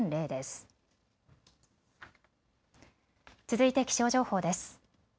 続いて気象情報です。